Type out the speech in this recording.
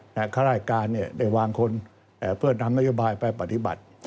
ขณะแรกการเนี่ยได้วางคนเพื่อนามนโยบายไปปฏิบัติ